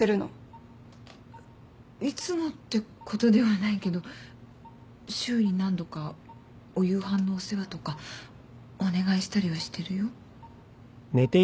えっいつもってことではないけど週に何度かお夕飯のお世話とかお願いしたりはしてるよ。